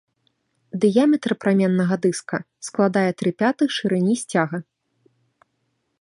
Дыяметр праменнага дыска складае тры пятых шырыні сцяга.